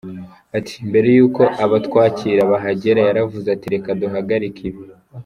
Ati "Mbere y’uko abatwakira bahagera, yaravuze ati ’Reka duhagarike ibi.